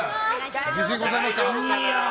自信ございますか？